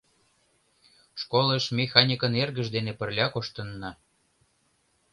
Школыш механикын эргыж дене пырля коштынна.